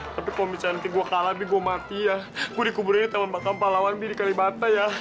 tapi kalau misalnya gua kalah gua mati ya gue kuburin teman bakal lawan diri kalimantan ya